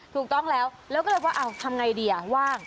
ถูกต้องแล้วแล้วก็เลยว่าทำไงดีว่าง